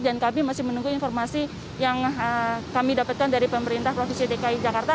dan kami masih menunggu informasi yang kami dapatkan dari pemerintah provinsi dki jakarta